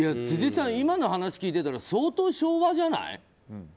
辻さん、今の話を聞いてたら相当昭和じゃない？